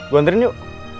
gue anterin yuk